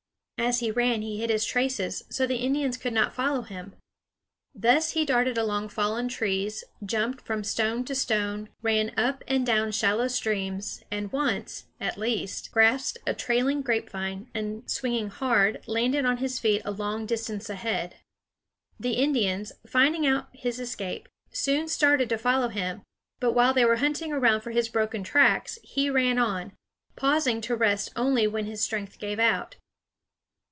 As he ran he hid his traces, so the Indians could not follow him. Thus he darted along fallen trees, jumped from stone to stone, ran up and down shallow streams, and once, at least, grasped a trailing grapevine, and, swinging hard, landed on his feet a long distance ahead. The Indians, finding out his escape, soon started to follow him; but while they were hunting around for his broken tracks, he ran on, pausing to rest only when his strength gave out.